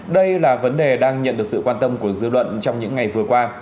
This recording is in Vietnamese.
đây là vấn đề đang nhận được sự quan tâm của dư luận trong những ngày vừa qua